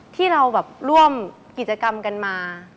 ที่เราแบบร่วมกิจกรรมกันมา